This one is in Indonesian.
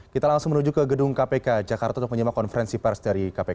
kita langsung menuju ke gedung kpk jakarta untuk menyimak konferensi pers dari kpk